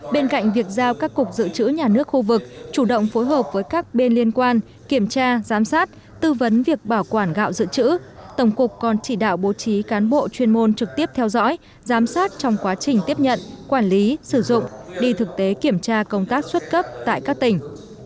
bên cạnh việc giao các cục dự trữ nhà nước khu vực chủ động phối hợp với các bên liên quan kiểm tra giám sát tư vấn việc bảo quản gạo dự trữ tổng cục còn chỉ đạo bố trí cán bộ chuyên môn trực tiếp theo dõi giám sát trong quá trình tiếp nhận quản lý sử dụng đi thực tế kiểm tra công tác xuất cấp tại các tỉnh